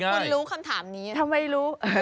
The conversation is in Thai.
คุณรู้คำถามนี้ทำไมรู้